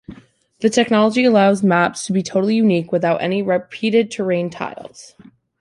The technology allows maps to be totally unique, without any repeated terrain tiles.